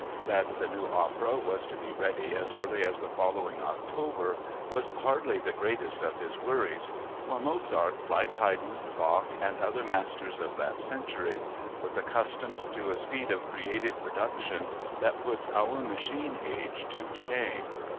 That the new opera was to be ready as early as the following October was hardly the greatest of his worries, for Mozart, like Haydn, Bach, and other masters of that century, was accustomed to a speed of creative production that puts our machine age to shame.